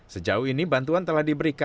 sejauh ini bantuan telah diberikan